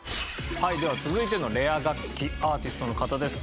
はいでは続いてのレア楽器アーティストの方です。